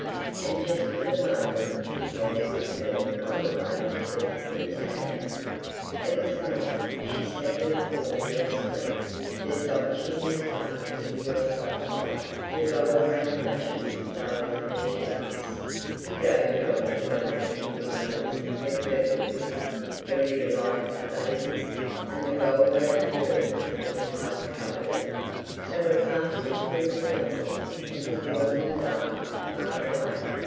And just for the moment he was with her on the way to Umtali. It was night. She sat in a corner asleep. Her soft chin was tucked into her soft collar, her gold brown lashes lay on her cheeks. He doted on her delicate little nose, her perfect lips, her ear like a baby's, and the gold brown curl that half covered it. They were passing through the jungle. It was warm and dark and far away.